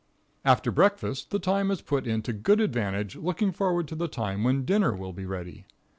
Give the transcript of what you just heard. After breakfast the time is put in to good advantage looking forward to the time when dinner will be ready.